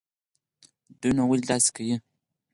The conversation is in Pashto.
دوى نو ولې داسې کوي.